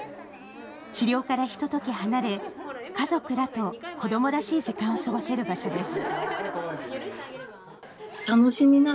治療からひととき離れ、家族らと子どもらしい時間を過ごせる場所です。